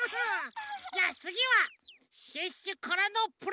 じゃあつぎはシュッシュからのプレゼントです。